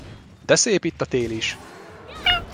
De szép itt a tél is!